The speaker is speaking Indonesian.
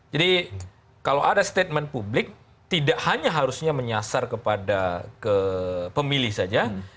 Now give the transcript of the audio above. jadi kalau ada statement publik tidak hanya harusnya menyasar kepada pemilih saja